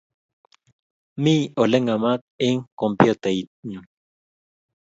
Mi oleng'emat eng' komptutait nyu.